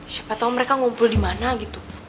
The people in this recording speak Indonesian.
siapa tau mereka ngumpul di mana gitu